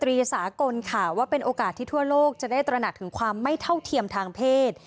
ตรีสากลค่ะว่าเป็นโอกาสที่ทั่วโลกจะได้ตระหนักถึงความไม่เท่าเทียมทางเพศ